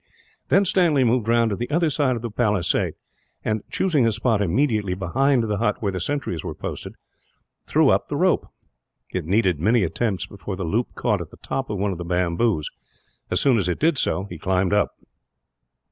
Then Stanley moved round to the other side of the palisade and, choosing a spot immediately behind the hut where the sentries were posted, threw up the rope. It needed many attempts before the loop caught at the top of one of the bamboos. As soon as it did so, he climbed up.